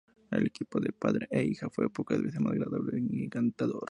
El equipo de padre e hija fue pocas veces más agradable y encantador.